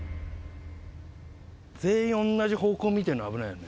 全員同じ方向見てるの、危ないよね。